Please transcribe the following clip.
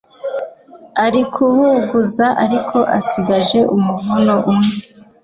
arikubuguza ariko asigaje umuvuno umwe